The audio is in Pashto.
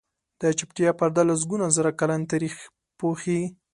د چوپتیا پرده لسګونه زره کلن تاریخ پوښي.